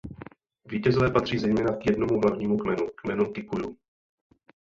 Vítězové patří zejména k jednomu hlavnímu kmenu, kmenu Kikujů.